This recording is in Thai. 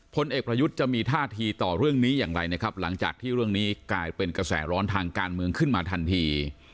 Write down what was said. พลเอกประยุทธ์จะมีท่าทีต่อเรื่องนี้อย่างไรนะครับหลังจากที่เรื่องนี้กลายเป็นกระแสร้อนทางการเมืองขึ้นมาทันที